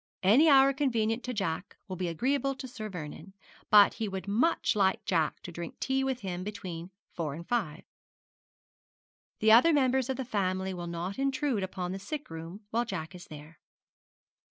Any hour convenient to Jack will be agreeable to Sir Vernon, but he would much like Jack to drink tea with him between four and five. The other members of the family will not intrude upon the sick room while Jack is there.'